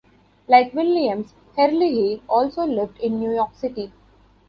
Like Williams, Herlihy also lived in New York City.